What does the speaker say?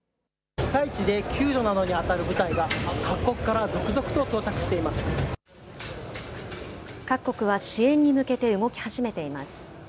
被災地で救助などに当たる部隊が各国から続々と到着していま各国は支援に向けて動き始めています。